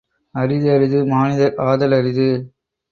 அரிது அரிது, மானிடர் ஆதல் அரிது.